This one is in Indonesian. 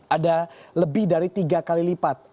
ada lebih dari tiga kali lipat